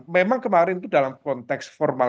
memang kemarin itu dalam konteks formal